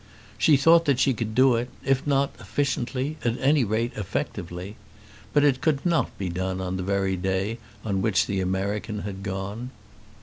She thought that she could do it, if not efficiently at any rate effectively. But it could not be done on the very day on which the American had gone.